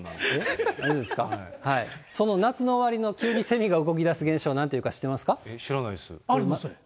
その夏の終わりに急にセミが動きだす現象、なんていうか知ってま知らないです。